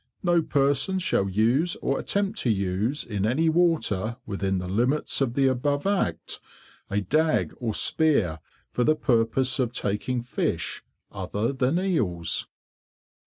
No person shall use or attempt to use, in any water within the limits of the above Act, a Dag or Spear, for the purpose of taking Fish other than Eels.